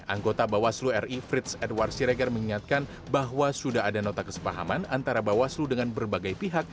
anggota bawaslu ri frits edward siregar mengingatkan bahwa sudah ada nota kesepahaman antara bawaslu dengan berbagai pihak